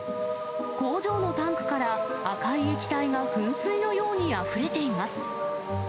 工場のタンクから赤い液体が噴水のようにあふれています。